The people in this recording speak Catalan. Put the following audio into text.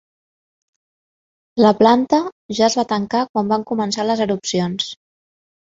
La planta ja es va tancar quan va començar les erupcions.